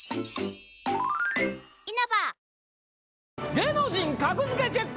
『芸能人格付けチェック！』。